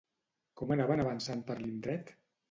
Com anaven avançant per l'indret?